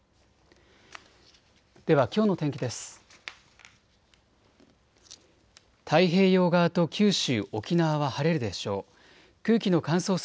ではきょうの天気です。